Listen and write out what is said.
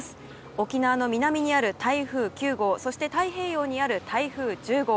沖縄の南にある台風９号そして太平洋にある台風１０号。